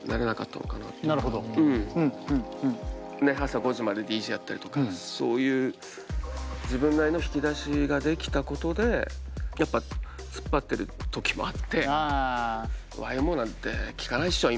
朝５時までＤＪやったりとかそういう自分なりの引き出しが出来たことでやっぱツッパってる時もあってＹＭＯなんて聴かないっしょ